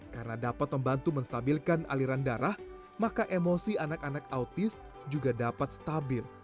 karena dapat membantu menstabilkan aliran darah maka emosi anak anak autis juga dapat stabil